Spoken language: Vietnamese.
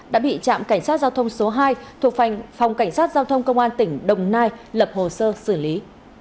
đã bị trạm cảnh sát giao thông số hai thuộc phòng cảnh sát giao thông công an tỉnh đồng nai lập hồ sơ xử lý